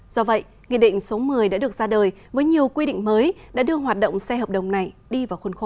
do vậy nghị định số một mươi đã được ra đời với nhiều quy định mới đã đưa hoạt động xe hợp đồng này đi vào khuôn khổ